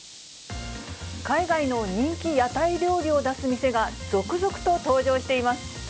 海外の人気屋台料理を出す店が続々と登場しています。